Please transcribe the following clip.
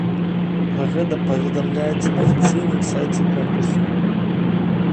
Пра гэта паведамляецца на афіцыйным сайце конкурсу.